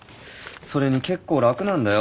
それに結構楽なんだよ。